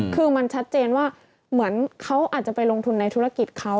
คือมันชัดเจนว่าเหมือนเขาอาจจะไปลงทุนในธุรกิจเขา